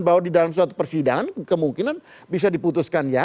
bahwa di dalam suatu persidangan kemungkinan bisa diputuskan ya